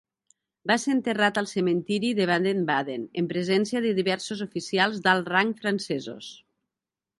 Va ser enterrat al cementiri de Baden-Baden, en presència de diversos oficials d'alt rang francesos.